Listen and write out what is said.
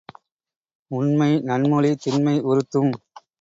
உண்மை நன்மொழி திண்மை உறுத்தும்.